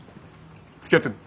つきあってんの？